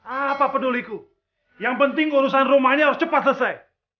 apa peduliku yang penting urusan rumahnya harus cepat selesai